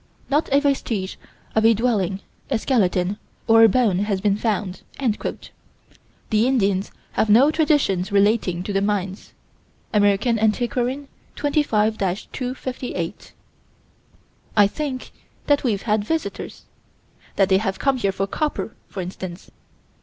not a vestige of a dwelling, a skeleton, or a bone has been found." The Indians have no traditions relating to the mines. (Amer. Antiquarian, 25 258.) I think that we've had visitors: that they have come here for copper, for instance.